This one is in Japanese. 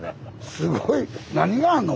すごい何があんの？